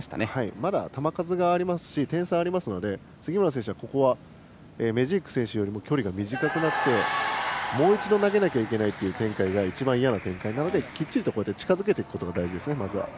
まだ球数があるし点差もあるので杉村選手は、ここはメジーク選手よりも距離が短くなってもう一度投げなきゃいけないという展開が一番いやな展開なのできっちり近づけるのが大事です。